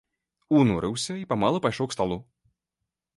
Унурыўся і памалу пайшоў к сталу.